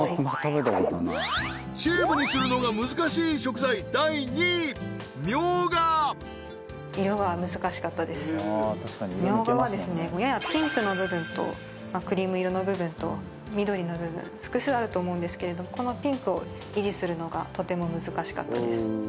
チューブにするのが難しい食材みょうがはややピンクの部分とクリーム色の部分と緑の部分複数あると思うんですけれどもこのピンクを維持するのがとても難しかったです